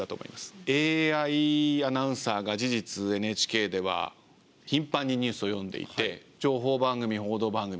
ＡＩアナウンサーが事実ＮＨＫでは頻繁にニュースを読んでいて情報番組報道番組。